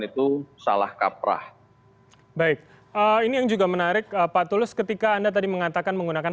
itu salah kaprah baik ini yang juga menarik pak tulus ketika anda tadi mengatakan menggunakan